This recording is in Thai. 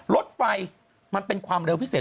รถไฟมันเป็นความเร็วพิเศษ